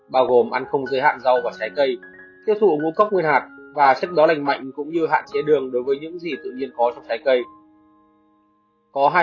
bao gồm ăn không giới hạn rau và trái cây tiêu thụ ngũ cốc nguyên hạt và chất gió lành mạnh cũng như hạn chế đường đối với những gì tự nhiên có trong trái cây